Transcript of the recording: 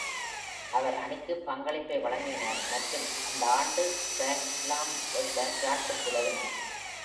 அவர் அணிக்கு பங்களிப்பை வழங்கினார் மற்றும் அந்த ஆண்டு கிராண்ட்ஸ்லாம் வெல்ல பிரான்சுக்கு உதவினார்.